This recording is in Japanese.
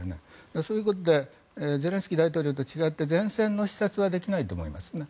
そういうことでゼレンスキー大統領と違って前線の視察はできないと思います。